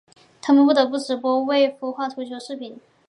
他们不得不直播未孵化秃鹰视频。